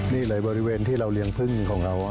นี่เลยบริเวณที่เราเลี้ยงพึ่งของเรา